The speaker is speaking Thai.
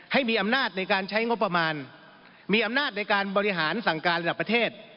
ให้มีอำนาจในการใช้งบประมาณมีอำนาจในการบริหารสั่งการระดับประเทศ